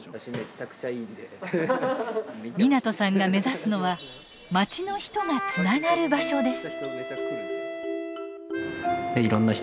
湊さんが目指すのはまちの人がつながる場所です。